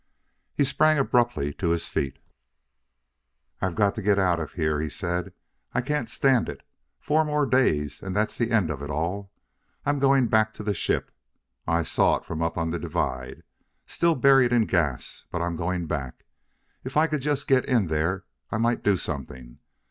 He sprang abruptly to his feet. "I've got to get out of here," he said; "I can't stand it. Four more days, and that's the end of it all. I'm going back to the ship. I saw it from up on the divide. Still buried in gas but I'm going back. If I could just get in there I might do something.